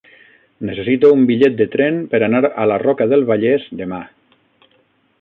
Necessito un bitllet de tren per anar a la Roca del Vallès demà.